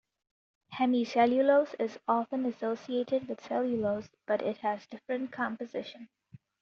Hemicellulose is often associated with cellulose, but it has different composition.